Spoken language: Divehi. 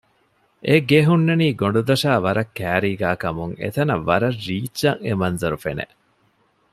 އެ ގެ ހުންނަނީ ގޮނޑުދޮށާ ވަރަށް ކައިރީގައި ކަމުން އެތަނަށް ވަރަށް ރީއްޗަށް އެ މަންޒަރު ފެނެ